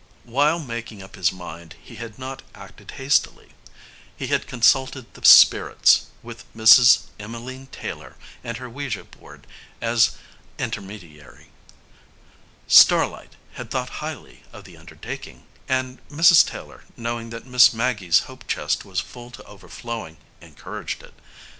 While making up his mind, he had not acted hastily. He had consulted the spirits, with Mrs. Emmeline Taylor and her ouija board as intermediary. "Starlight" had thought highly of the undertaking, and Mrs. Taylor, knowing that Miss Maggie's hope chest was full to overflowing, encouraged it.